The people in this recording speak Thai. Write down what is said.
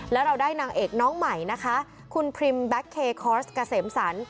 แล้วเราได้นางเอกน้องใหม่นะคะคุณพรีมแบ็คเคคอร์สเกษมสรร